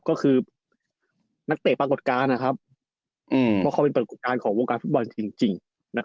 ก็คือนักเตะปรากฏการณ์ว่าเขาเป็นปรากฏการณ์ของวงการฟุตบอลจริง